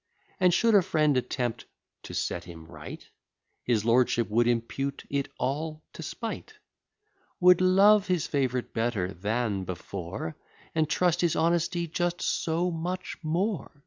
And, should a friend attempt to set him right, His lordship would impute it all to spite; Would love his favourite better than before, And trust his honesty just so much more.